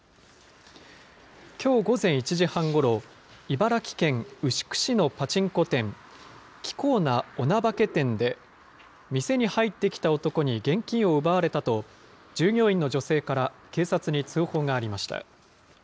きょう午前１時半ごろ、茨城県牛久市のパチンコ店、キコーナ女化店で、店に入ってきた男に現金を奪われたと、従業員の女性から警察に通報がありました。